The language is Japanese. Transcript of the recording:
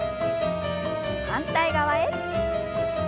反対側へ。